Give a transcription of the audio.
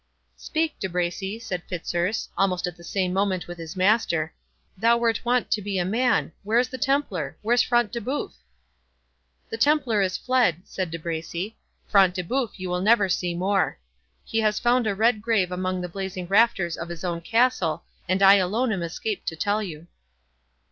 "Speak, De Bracy," said Fitzurse, almost in the same moment with his master, "thou wert wont to be a man—Where is the Templar?—where Front de Bœuf?" "The Templar is fled," said De Bracy; "Front de Bœuf you will never see more. He has found a red grave among the blazing rafters of his own castle and I alone am escaped to tell you."